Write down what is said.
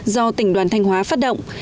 do tỉnh đoàn thanh hóa phát động